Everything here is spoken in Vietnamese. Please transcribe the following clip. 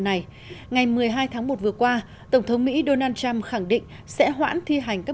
này ngày một mươi hai tháng một vừa qua tổng thống mỹ donald trump khẳng định sẽ hoãn thi hành các